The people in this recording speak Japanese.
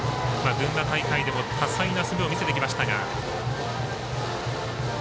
群馬大会でも多彩な攻めを見せてきました。